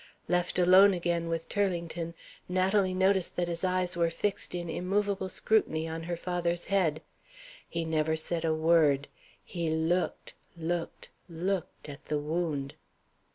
Left alone again with Turlington, Natalie noticed that his eyes were fixed in immovable scrutiny on her father's head. He never said a word. He looked, looked, looked at the wound.